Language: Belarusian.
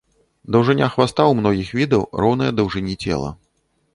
Даўжыня хваста ў многіх відаў роўная даўжыні цела.